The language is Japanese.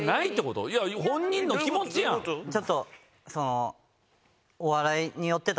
ちょっとその。